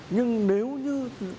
nhưng nếu như